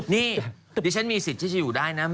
นี่ดิฉันมีสิทธิ์ที่จะอยู่ได้นะ